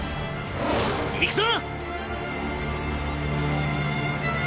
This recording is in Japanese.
行くぞ！